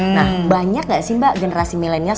nah banyak gak sih mbak generasi milenial